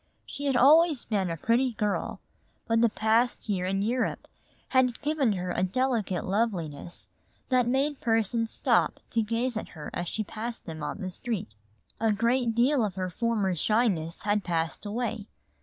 She had always been a pretty girl, but the past year in Europe had given her a delicate loveliness that made persons stop to gaze at her as she passed them on the street. A great deal of her former shyness had passed away.